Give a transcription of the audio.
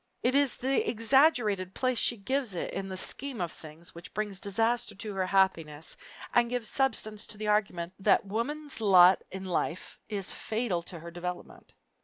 It is the exaggerated place she gives it in the scheme of things, which brings disaster to her happiness and gives substance to the argument that woman's lot in life is fatal to her development.